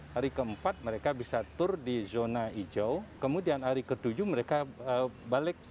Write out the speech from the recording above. hari keempat mereka bisa tur di zona hijau kemudian hari ketujuh mereka balik